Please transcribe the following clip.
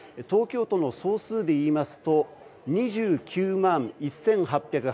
東京都の総数で言いますと２９万１８８０軒。